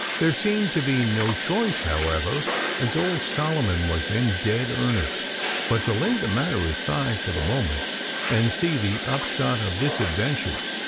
There seemed to be no choice, however, as old Solomon was in dead earnest, but to lay the matter aside for the moment and see the upshot of this adventure.